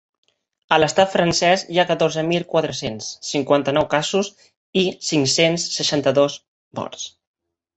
A l’estat francès hi ha catorze mil quatre-cents cinquanta-nou casos i cinc-cents seixanta-dos morts.